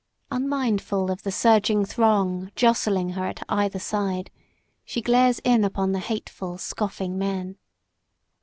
Unmindful of the surging throng jostling her at either side, she glares in upon the hateful, scoffing men.